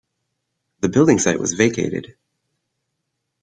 The building site was vacated.